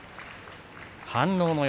反応のよ